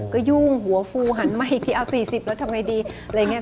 ก็ยุ่งหัวฟูหันมาอีกทีเอา๔๐แล้วทำไงดีอะไรอย่างนี้